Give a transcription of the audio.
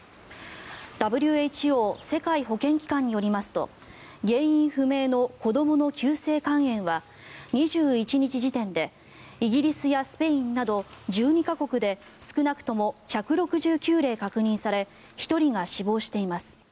ＷＨＯ・世界保健機関によりますと原因不明の子どもの急性肝炎は２１日時点でイギリスやスペインなど１２か国で少なくとも１６９例確認され１人が死亡しています。